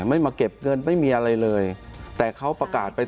ไม่มาเก็บเงินไม่มีอะไรเลยแต่เขาประกาศไป